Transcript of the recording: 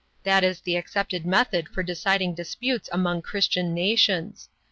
That is the accepted method for deciding disputes among Christian nations.